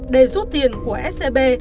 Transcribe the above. để rút tiền của scb